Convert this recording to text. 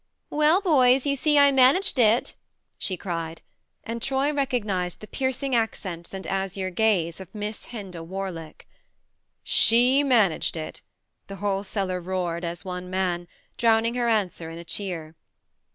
" Well, boys you see I managed it I" she cried; and Troy recognized the piercing accents and azure gaze of Miss Hinda Warlick. "She managed it !" the whole cellar roared as one man, drowning her answer in a cheer.